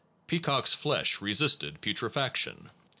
Peacock s flesh resisted putrefaction.